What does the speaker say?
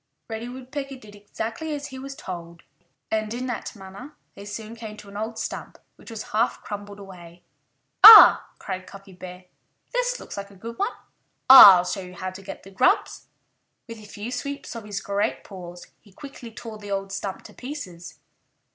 Reddy Woodpecker did exactly as he was told. And in that manner they soon came to an old stump which was half crumbled away. "Ah!" cried Cuffy Bear. "This looks like a good one.... I'll show you how to get the grubs." With a few sweeps of his great paws he quickly tore the old stump to pieces.